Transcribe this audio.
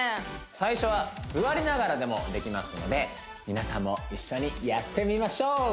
最初は座りながらでもできますので皆さんも一緒にやってみましょう